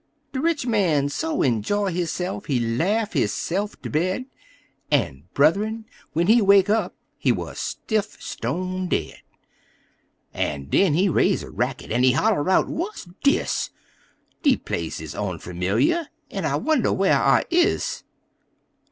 De rich man so enjoy hisse'f he laugh hisse'f ter bed, En, brotherin', when he wake up he wuz stiff, stone dead! En den he raise a racket, en he holler out: "What dis? De place is onfamiliar, en I wonder whar' I is?"